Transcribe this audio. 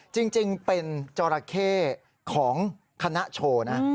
จริงเป็นจราเข้ของคณะโชว์นะ